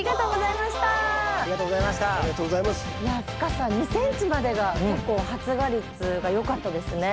いや深さ２ｃｍまでが結構発芽率がよかったですね。